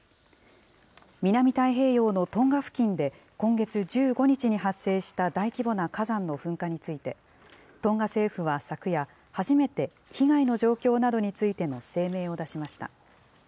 南太平洋のトンガ付近で、今月１５日に発生した大規模な火山の噴火について、トンガ政府は昨夜、初めて、被害の状況などについての声明を出しました。